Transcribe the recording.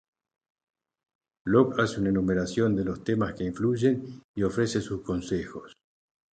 Locke hace una enumeración de los temas que influyen y ofrece sus consejos.